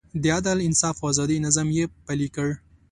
د عدل، انصاف او ازادۍ نظام یې پلی کړ.